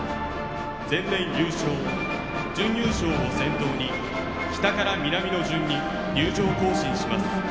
前年優勝、準優勝を先頭に北から南の順に入場行進します。